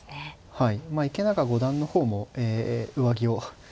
はい。